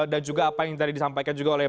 dan juga apa yang tadi disampaikan juga oleh